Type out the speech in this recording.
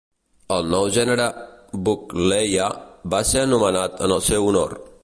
El nou gènere "Buckleya" va ser anomenat en el seu honor.